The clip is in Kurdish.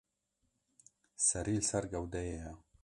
Serî li ser gewdeyê ye.